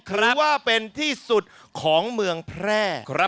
ถือว่าเป็นที่สุดของเมืองแพร่